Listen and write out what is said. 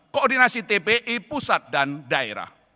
koordinasi tpi pusat dan daerah